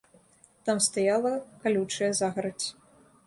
Там стаяла калючая загарадзь.